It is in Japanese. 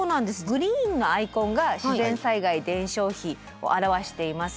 グリーンのアイコンが自然災害伝承碑を表しています。